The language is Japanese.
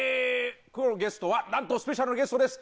今日のゲストはなんとスペシャルゲストです。